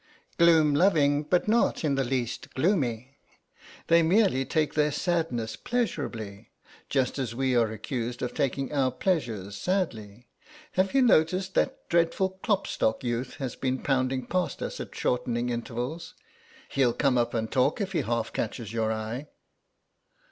"Gloom loving but not in the least gloomy. They merely take their sadness pleasurably, just as we are accused of taking our pleasures sadly. Have you noticed that dreadful Klopstock youth has been pounding past us at shortening intervals. He'll come up and talk if he half catches your eye."